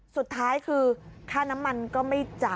สุดท้ายคือค่าน้ำมันก็ไม่จ่าย